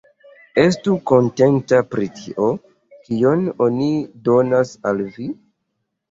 Estu kontenta pri tio, kion oni donas al vi!